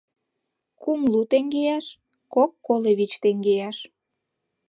— Кум лу теҥгеаш, кок коло вич теҥгеаш.